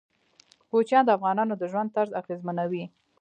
کوچیان د افغانانو د ژوند طرز اغېزمنوي.